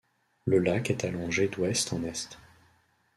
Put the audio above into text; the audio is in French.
Le lac est allongé d'ouest en est.